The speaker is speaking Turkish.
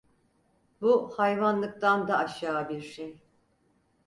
Bu, hayvanlıktan da aşağı bir şey…